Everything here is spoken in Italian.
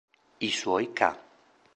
I suoi ca.